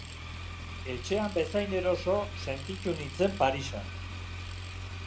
Etxean bezain eroso sentitu nintzen Parisen.